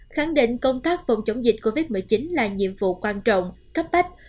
khẳng định công tác phòng chống dịch covid một mươi chín là nhiệm vụ quan trọng cấp bách